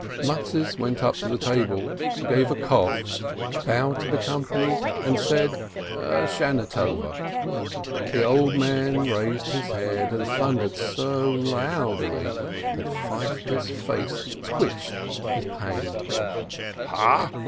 Mattes went up to the table, gave a cough, bowed to the company, and said, "A good year !" The old man raised his head, and thundered so loudly that Feivke's face twitched as with pain : "Ha?"